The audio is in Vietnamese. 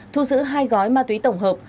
thu giữ hai gói ma túy tổng hợp